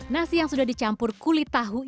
nasi yang sudah dicampur kulit tahu